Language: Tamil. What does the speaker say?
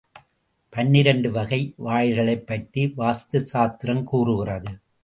பன்னிரெண்டு வகை வாயில்களைப் பற்றி வாஸ்து சாஸ்திரம் கூறுகிறது.